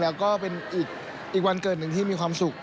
แล้วก็เป็นอีกวันเกิดหนึ่งที่มีความสุข